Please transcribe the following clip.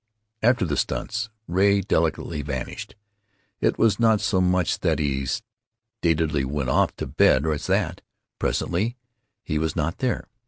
After the stunts Ray delicately vanished. It was not so much that he statedly went off to bed as that, presently, he was not there.